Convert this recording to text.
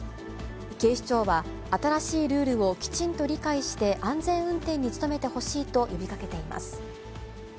警視庁は、新しいルールをきちんと理解して、安全運転に努めてほしいと呼びかけています。